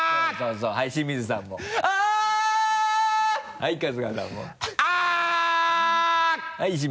はい春日さんも。